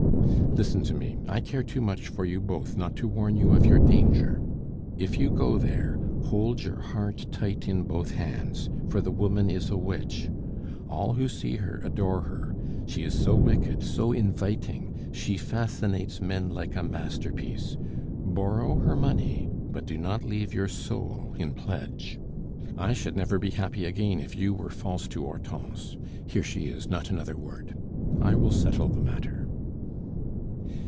"Listen to me; I care too much for you both not to warn you of your danger. If you go there, hold your heart tight in both hands, for the woman is a witch. All who see her adore her; she is so wicked, so inviting! She fascinates men like a masterpiece. Borrow her money, but do not leave your soul in pledge. I should never be happy again if you were false to Hortense here she is! not another word! I will settle the matter."